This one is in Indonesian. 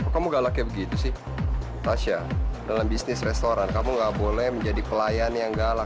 kamu nggak boleh menjadi pelayan yang galak